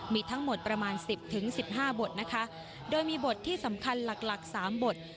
มีทั้งหมดประมาณ๑๐๑๕บทนะคะโดยมีบทที่สำคัญหลัก๓บท